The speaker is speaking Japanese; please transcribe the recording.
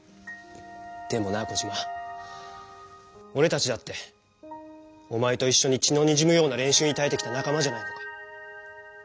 でもなコジマおれたちだっておまえといっしょに血のにじむような練習にたえてきた仲間じゃないのか？